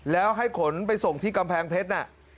แล้วให้ขนไปส่งที่กำแพงเพชรน่ะ